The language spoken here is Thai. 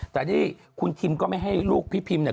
แต่ที่คุณทิมก็ไม่ให้ลูกพี่พิมเนี่ย